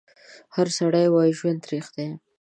هر سړی وایي ژوند تریخ دی